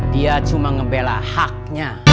dia cuma ngebelah haknya